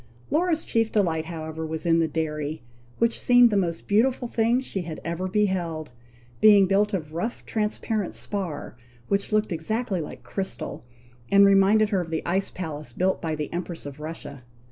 Laura's chief delight, however, was in the dairy, which seemed the most beautiful thing she had ever beheld, being built of rough transparent spar, which looked exactly like crystal, and reminded her of the ice palace built by the Empress of Russia.